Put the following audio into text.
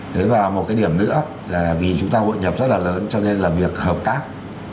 thế và một cái điểm nữa là vì chúng ta hội nhập rất là lớn cho nên là việc hợp tác